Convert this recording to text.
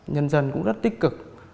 nhân dân cũng rất tích cực